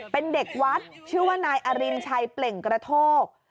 เป็นเด็กวัดชื่อว่านายอรินชัยเปล่งกระโทก